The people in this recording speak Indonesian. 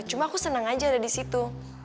cuma aku senang aja ada di situ